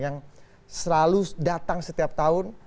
yang selalu datang setiap tahun